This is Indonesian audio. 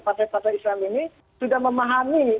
partai partai islam ini sudah memahami